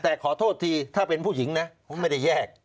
แต่ขอโทษทีถ้าเป็นผู้หญิงนะผมไม่ได้แยก